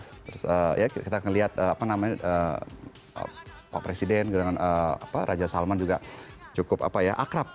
terus ya kita ngelihat apa namanya pak presiden dengan raja salman juga cukup apa ya akrab